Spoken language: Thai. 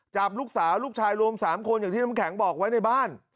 จับลูกสาวลูกชายรวม๓คนอย่างที่น้ำแข็งบอกไว้ในบ้าน